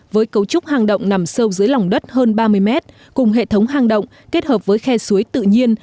với cấu trúc hang động nằm sâu dưới lòng đất hơn ba mươi mét cùng hệ thống hang động kết hợp với khe suối tự nhiên